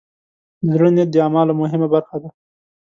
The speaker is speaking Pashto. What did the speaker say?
د زړۀ نیت د اعمالو مهمه برخه ده.